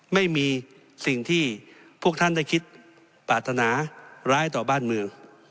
ไม่มีสิ่งที่พวกท่านได้คิดปรารถนาร้ายต่อบ้านเมือง